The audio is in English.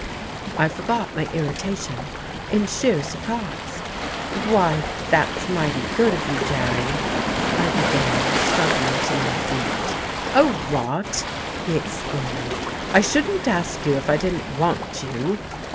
I forgot my irritation, in sheer surprise. "Why, that's mighty good of you, Jerry " I began, struggling to my feet. "Oh, rot!" he exclaimed. "I shouldn't ask you if I didn't want you."